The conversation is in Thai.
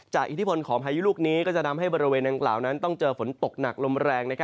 อิทธิพลของพายุลูกนี้ก็จะทำให้บริเวณดังกล่าวนั้นต้องเจอฝนตกหนักลมแรง